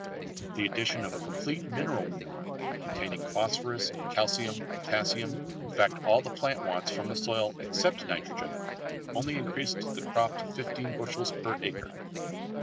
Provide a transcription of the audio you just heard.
The addition of a complete mineral manure containing phosphorus, calcium, potassium, in fact all the plant wants from the soil except nitrogen, only increased the crop to 15 bushels per acre.